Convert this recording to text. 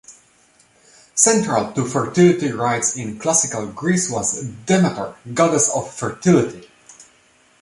Central to fertility rites in classical Greece was Demeter, goddess of fertility...